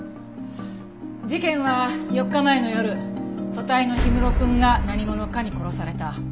事件は４日前の夜組対の氷室くんが何者かに殺された。